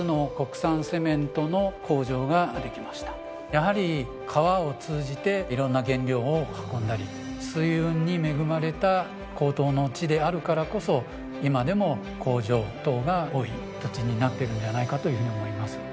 やはり川を通じて色んな原料を運んだり水運に恵まれた江東の地であるからこそ今でも工場等が多い土地になっているのではないかというふうに思います。